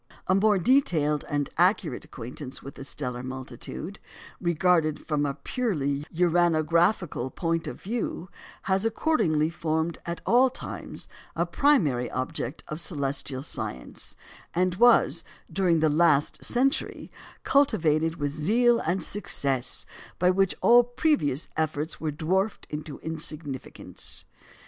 A more detailed and accurate acquaintance with the stellar multitude, regarded from a purely uranographical point of view, has accordingly formed at all times a primary object of celestial science, and was, during the last century, cultivated with a zeal and success by which all previous efforts were dwarfed into insignificance.